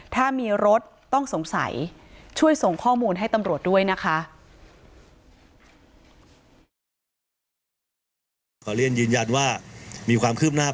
ถ้ามีรถต้องสงสัยช่วยส่งข้อมูลให้ตำรวจด้วยนะคะ